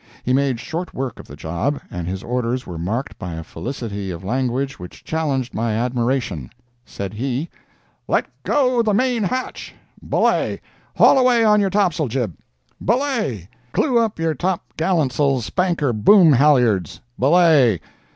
He made short work of the job, and his orders were marked by a felicity of language which challenged my admiration. Said he: "Let go the main hatch. Belay! Haul away on your tops'l jib! Belay! Clew up your top gallants'l spanker boom halliards! Belay!